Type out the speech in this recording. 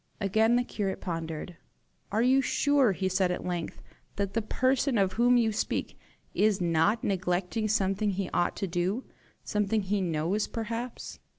Again the curate pondered. "Are you sure," he said at length, "that the person of whom you speak is not neglecting something he ought to do something he knows perhaps?"